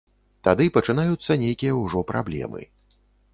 Тады пачынаюцца нейкія ўжо праблемы.